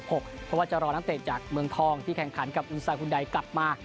เพราะว่าจะรอนักเตะจากเมืองทองที่แข่งขันกับอูซาคุณใดกลับมา